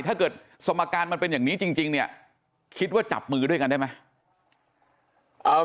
ถ้าเกิดสมการมันเป็นอย่างนี้จริงเนี่ยคิดว่าจับมือด้วยกันได้ไหม